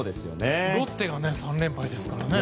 ロッテが３連敗ですからね。